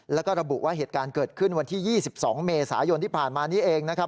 แล้วก็ระบุว่าเหตุการณ์เกิดขึ้นวันที่๒๒เมษายนที่ผ่านมานี้เองนะครับ